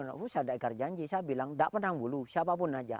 saya tidak ikat janji saya bilang tidak pernah mulu siapa pun saja